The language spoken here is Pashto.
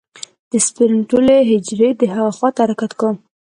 د سپرم ټولې حجرې د هغې خوا ته حرکت کا.